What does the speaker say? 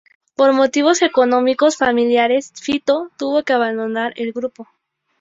Por motivos económicos familiares, Fito tuvo que abandonar el grupo.